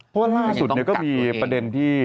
เพราะว่าล่าสุดก็มีประเด็นที่